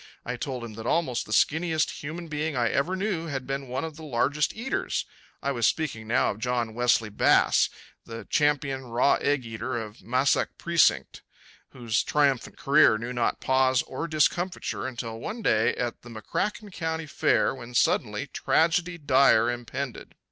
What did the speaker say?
I told him that almost the skinniest human being I ever knew had been one of the largest eaters. I was speaking now of John Wesley Bass, the champion raw egg eater of Massac Precinct, whose triumphant career knew not pause or discomfiture until one day at the McCracken County fair when suddenly tragedy dire impended.